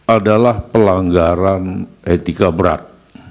adalah pelanggaran etika berat